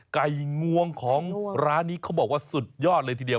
ไก่งวงของร้านนี้เขาบอกว่าสุดยอดเลยทีเดียว